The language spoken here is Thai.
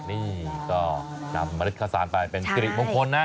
นี่ก็นำลิขสารไปเป็นกฤตมงคลนะ